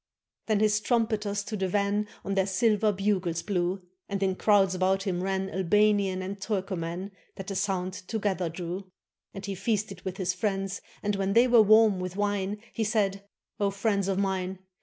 Then his trumpeters to the van On their silver bugles blew, And in crowds about him ran Albanian and Turkoman, That the sound together drew. And he feasted with his friends, And when they were warm with wine. He said: "O friends of mine.